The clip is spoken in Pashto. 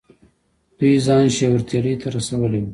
دوی ځان یې شیورتیلي ته رسولی وو.